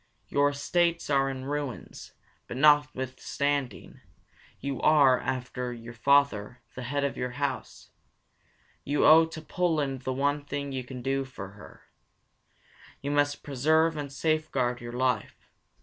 Your estates are in ruins; but not withstanding, you are, after your father, the head of your house. You owe to Poland the one thing you can now do for her. You must preserve and safeguard your life.